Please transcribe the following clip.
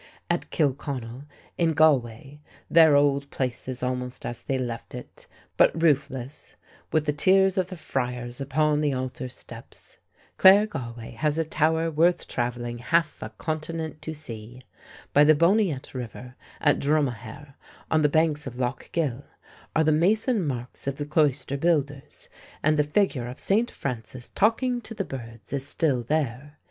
At Kilconnell, in Galway, their old place is almost as they left it, but roofless, with the tears of the friars upon the altar steps. Clare Galway has a tower worth travelling half a continent to see. By the Boniet River, at Drumahaire, on the banks of Lough Gill, are the mason marks of the cloister builders, and the figure of St. Francis talking to the birds is still there.